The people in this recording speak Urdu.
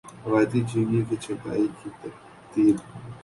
روایتی چینی کی چھٹائی کی ترتیب